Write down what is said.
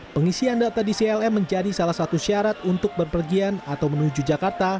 pengisian data di clm menjadi salah satu syarat untuk berpergian atau menuju jakarta